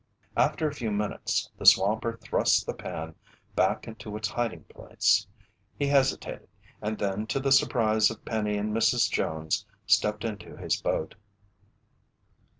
After a few minutes, the swamper thrust the pan back into its hiding place. He hesitated, and then to the surprise of Penny and Mrs. Jones, stepped into his boat.